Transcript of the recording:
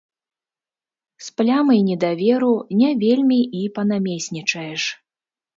З плямай недаверу не вельмі і панамеснічаеш.